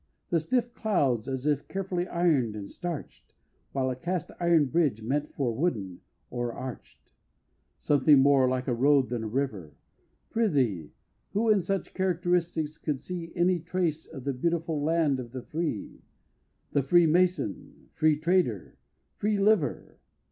The stiff clouds as if carefully iron'd and starch'd, While a cast iron bridge, meant for wooden, o'er arch'd Something more like a road than a river. Prythee, who in such characteristics could see Any trace of the beautiful land of the free The Free Mason Free Trader Free Liver!